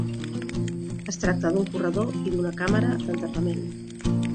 Es tracta d'un corredor i una càmera d'enterrament.